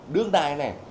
đước đài này